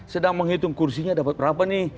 sedang menghitung kursinya dapat berapa nih